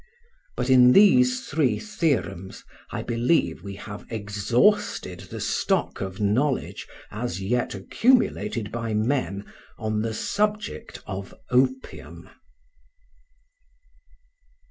But in these three theorems I believe we have exhausted the stock of knowledge as yet accumulated by men on the subject of opium.